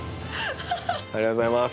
ありがとうございます。